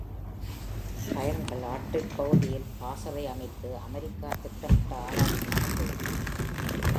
பயன்கள் ஆர்க்டிக் பகுதியில் பாசறை அமைத்து அமெரிக்கா திட்டமிட்ட ஆராய்ச்சி நடத்துகிறது.